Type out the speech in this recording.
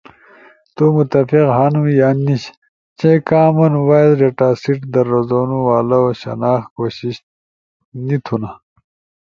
تو متفق ہنو یا نیش چی کامن وائس ڈیٹاسیٹ در رزونو والؤ شناخت کوشش نی تھونا۔